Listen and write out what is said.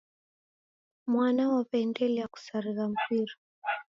Mwana waw'aendelia kusarigha mpira.